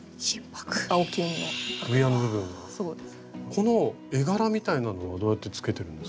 この絵柄みたいなのはどうやってつけてるんですか？